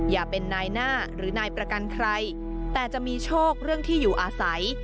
อย่าเป็นนายหน้าหรือนายประกันใครแต่จะมีโชคเรื่องที่อยู่อาศัย